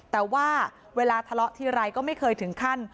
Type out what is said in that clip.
แต่ว่าเวลาทะเลาะทีไรก็ไม่เคยถึงขั้น